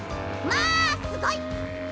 まあすごい！